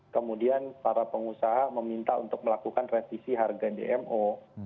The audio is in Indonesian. kemudian para pengusaha meminta untuk melakukan revisi harga dmo